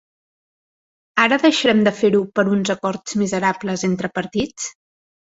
Ara deixarem de fer-ho per un acord miserable entre partits?